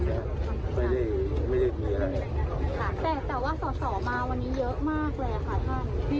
ค่ะแต่ว่าต่อมาวันนี้เยอะมากแหล่ะค่ะท่าน